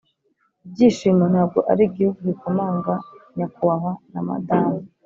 ibyishimo ntabwo ari igihugu gikomanga, nyakubahwa na madamu,